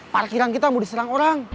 parkiran kita mau diserang orang